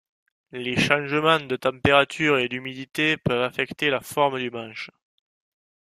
Les changements de température et d'humidité peuvent affecter la forme du manche.